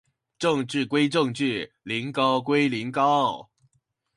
政治歸政治，苓膏龜苓膏